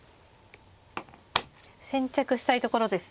先着したいところですね。